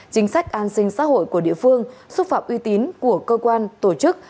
chính sách an sinh xã hội của địa phương xúc phạm uy tín của cơ quan tổ chức